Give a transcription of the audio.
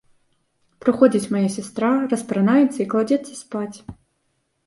Прыходзіць мая сястра, распранаецца і кладзецца спаць.